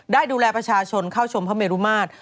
ได้ดูแลประชาชนเข้าชมภเมรุมาส